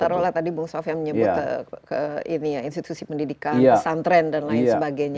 taruhlah tadi bung sof yang menyebut ke institusi pendidikan pesantren dan lain sebagainya